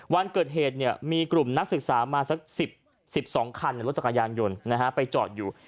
วันเกิดเหตุมีกลุ่มนักศึกษามาสัก๑๒คันรถจักรยานยนต์ไปจอดอยู่